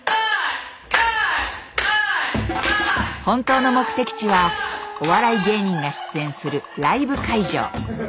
本当の目的地はお笑い芸人が出演するライブ会場。